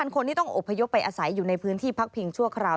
คนที่ต้องอบพยพไปอาศัยอยู่ในพื้นที่พักพิงชั่วคราว